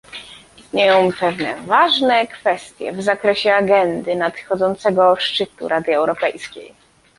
Istnieją pewne ważne kwestie w zakresie agendy nadchodzącego szczytu Rady Europejskiej